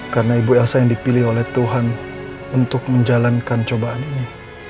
karena ibu elsa yang dipilih oleh tuhan untuk menjalankan cobaan ini